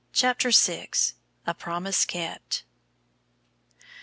CHAPTER VI. A PROMISE KEPT.